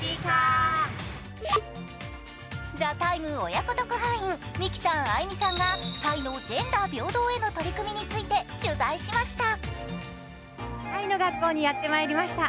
「ＴＨＥＴＩＭＥ，」親子特派員、ＭＩＫＩさん、ＡＩＭＩさんがタイのジェンダー平等への取り組みについて取材しました。